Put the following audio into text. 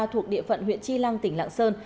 thuộc địa phận huyện chi lăng tỉnh lạng sơn